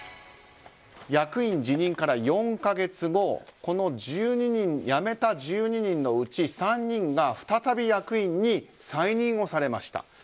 役員辞任から４か月後辞めた１２人のうち３人が再び役員に再任をされました。